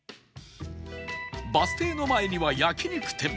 バス停の前には焼肉店